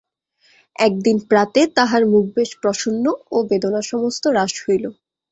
একদিন প্রাতে তাঁহার মুখ বেশ প্রসন্ন ও বেদনা সমস্ত হ্রাস হইল।